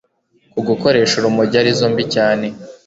ku gukoresha urumogi arizo mbi cyane